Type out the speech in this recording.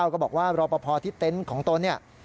ก็บอกว่ารอบภพที่เต้นของตัวเนี่ย